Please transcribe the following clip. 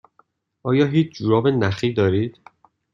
آیا هیچ جوراب نخی دارید؟